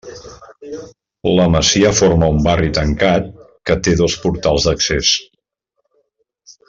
La masia forma un barri tancat que té dos portals d'accés.